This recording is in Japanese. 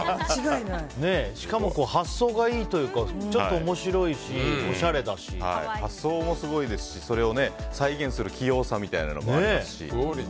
しかも、発想がいいというかちょっと面白いし発想もすごいですしそれを再現する器用さみたいなものもありますし。